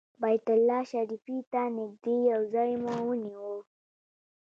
بیت الله شریفې ته نږدې یو ځای مو ونیو.